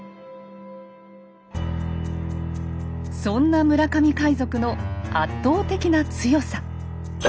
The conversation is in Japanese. そんな村上海賊の圧倒的な強さ。